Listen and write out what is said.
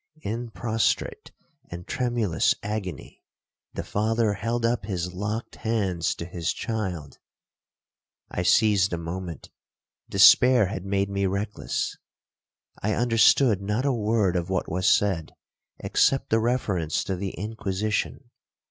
'In prostrate and tremulous agony, the father held up his locked hands to his child. I seized the moment—despair had made me reckless. I understood not a word of what was said, except the reference to the Inquisition.